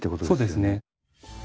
そうですね。